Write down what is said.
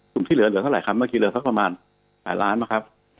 กลุ่มที่เหลือเท่าไหร่ครับเมื่อกี้เหลือสักประมาณหลายล้านบาท